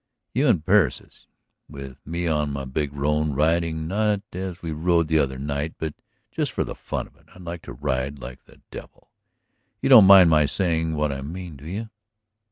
"You on Persis, with me on my big roan, riding not as we rode that other night, but just for the fun of it. I'd like to ride like the devil. ... You don't mind my saying what I mean, do you?